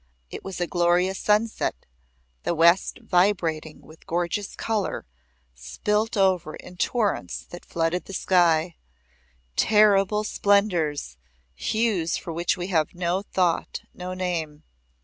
It was a glorious sunset, the west vibrating with gorgeous colour spilt over in torrents that flooded the sky, Terrible splendours hues for which we have no thought no name.